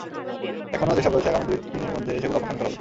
এখনো যেসব রয়েছে আগামী দুই দিনের মধ্যে সেগুলো অপসারণ করা হবে।